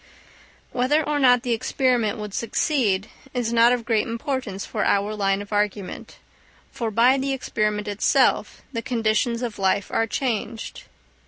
Whether or not the experiment would succeed is not of great importance for our line of argument; for by the experiment itself the conditions of life are changed.